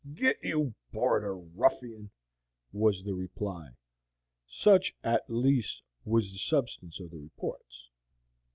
"Get! you border ruffian," was the reply. Such at least was the substance of the reports.